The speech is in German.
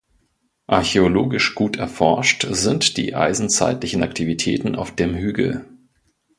Archäologisch gut erforscht sind die eisenzeitlichen Aktivitäten auf dem Hügel.